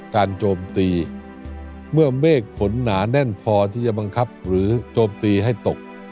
โจมตีเมื่อเมฆฝนหนาแน่นพอที่จะบังคับหรือโจมตีให้ตก